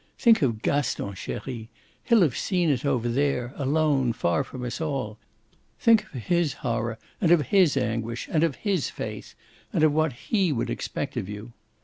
Think of Gaston, cherie; HE'LL have seen it over there, alone, far from us all. Think of HIS horror and of HIS anguish and of HIS faith, of what HE would expect of you."